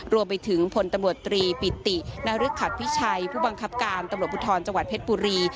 รวมไปถึงพลตำรวจตรีปิตินรึกขัดพิชัยผู้บังคับการตำรวจภูทรจังหวัดเพชรบุรี